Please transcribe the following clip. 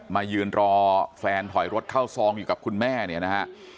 มายืนรอแฟนถอยรถเข้าซองอยู่กับคุณแม่เนี่ยนะฮะ